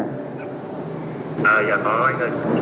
dạ có anh ơi